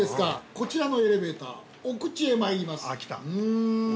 こちらのエレベーターお口へ参ります。